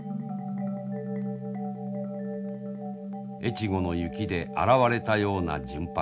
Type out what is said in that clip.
越後の雪で洗われたような純白。